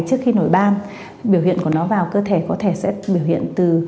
trước khi nổi ba biểu hiện của nó vào cơ thể có thể sẽ biểu hiện từ